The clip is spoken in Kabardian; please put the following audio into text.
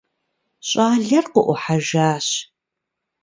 Щӏалэр къыӏухьэжащ.